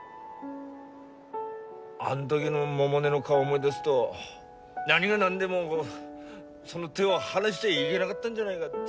あん時の百音の顔を思い出すと何が何でもその手を離しちゃいげながったんじゃないがって。